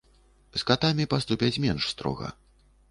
З катамі паступяць менш строга.